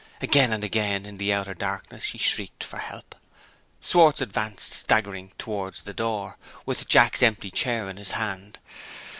Again, and again, in the outer darkness, she shrieked for help. Schwartz advanced staggering towards the door, with Jack's empty chair in his hand.